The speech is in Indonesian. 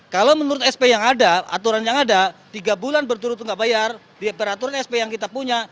kalau menurut sp yang ada aturan yang ada tiga bulan berturut tungga bayar di peraturan sp yang kita punya